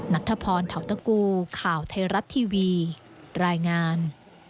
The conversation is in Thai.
นัทธพรเทาตะกูข่าวไทยรัฐทีวีรายงาน